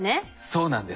そうなんです。